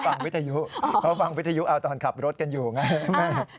วิทยุเพราะฟังวิทยุเอาตอนขับรถกันอยู่ไง